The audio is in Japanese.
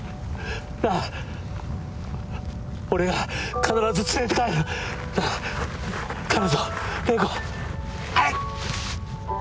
なあ俺が必ず連れて帰るなあ帰るぞ玲子あっ！